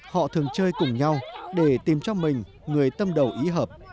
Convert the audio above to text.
họ thường chơi cùng nhau để tìm cho mình người tâm đầu ý hợp